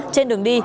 trên đường đi